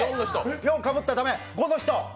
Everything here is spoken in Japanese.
４かぶった、駄目、５の人？